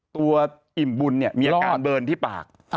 อิ่มบุญเนี่ยมีอาการเบิร์นที่ปาก